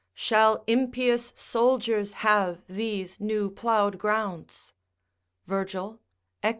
["Shall impious soldiers have these new ploughed grounds?" Virgil, Ecl.